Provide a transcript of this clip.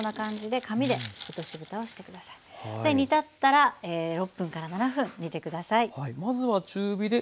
で煮立ったら６７分煮てください。